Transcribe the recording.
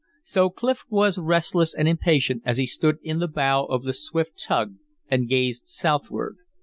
So Clif was restless and impatient as he stood in the bow of the swift tug and gazed southward.